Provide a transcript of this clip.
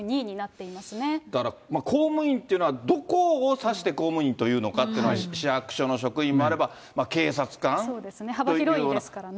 だから公務員というのはどこを指して公務員というのかっていうのは、市役所の職員もあれば、幅広いですからね。